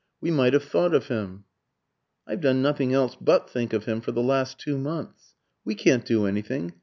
We might have thought of him." "I've done nothing else but think of him for the last two months. We can't do anything.